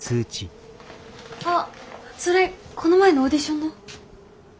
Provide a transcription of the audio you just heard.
あっそれこの前のオーディションの？